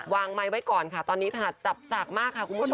ไมค์ไว้ก่อนค่ะตอนนี้ถนัดจับสากมากค่ะคุณผู้ชม